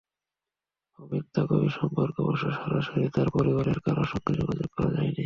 অবিন্তা কবীর সম্পর্কে অবশ্য সরাসরি তাঁর পরিবারের কারও সঙ্গে যোগাযোগ করা যায়নি।